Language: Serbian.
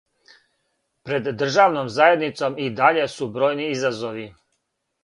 Пред државном заједницом и даље су бројни изазови.